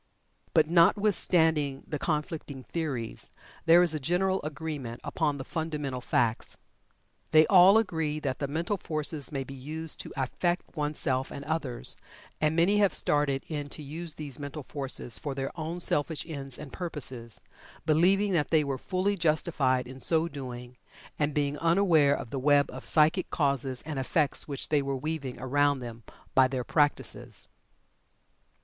But, notwithstanding the conflicting theories, there is a general agreement upon the fundamental facts. They all agree that the mental forces may be used to affect oneself and others, and many have started in to use these mental forces for their own selfish ends and purposes, believing that they were fully justified in so doing, and being unaware of the web of psychic causes and effects which they were weaving around them by their practices.